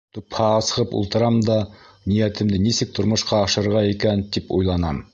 Тупһаға сығып ултырам да, ниәтемде нисек тормошҡа ашырырға икән, тип уйланам.